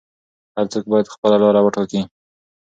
هر څوک باید خپله لاره وټاکي.